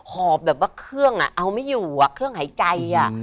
หอบแบบว่าเครื่องเอาไม่อยู่เครื่องหายใจ